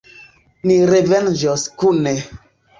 Ni revenĝos kune.